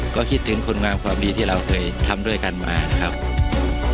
ก็คิดถึงคุณงามความดีที่เราเคยทำด้วยกันมานะครับ